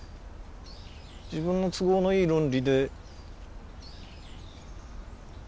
自分の都合のいい論理で。